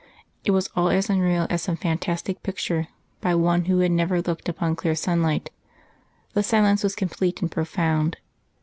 It was all as unreal as some fantastic picture by one who had never looked upon clear sunlight. The silence was complete and profound.